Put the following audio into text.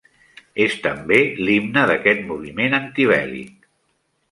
És també l'himne d'aquest moviment antibèl·lic.